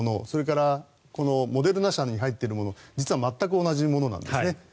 それからモデルナ社に入っているもの全く同じものなんですね。